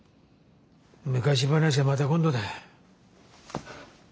昔話はまた今度だ。